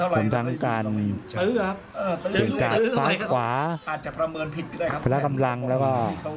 ความทางการเดินการซ้ายขวาพลังกำลังแล้วก็